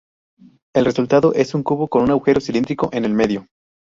El resultado es un cubo con un agujero cilíndrico en el medio.